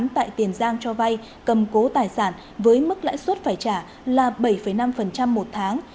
tại tiền giang cho vay cầm cố tài sản với mức lãi suất phải trả là bảy năm một tháng